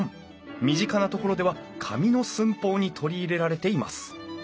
身近なところでは紙の寸法に取り入れられています。